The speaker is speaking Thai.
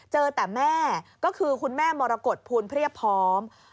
เจอแต่แม่ก็คือคุณแม่มรกฏภูลเพียบพร้อม